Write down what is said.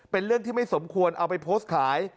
เป็นเรื่องที่ไม่สมควรเอาไปโพสต์ขาย